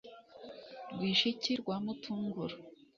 Rwishiki rwa Matunguru